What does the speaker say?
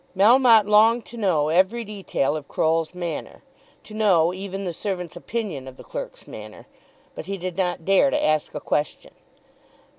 Melmotte longed to know every detail of Croll's manner, to know even the servant's opinion of the clerk's manner, but he did not dare to ask a question.